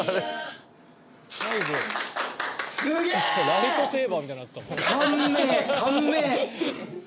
ライトセーバーみたいになってたもん。